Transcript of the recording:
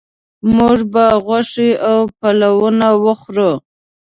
موږ به غوښې او پلونه وخورو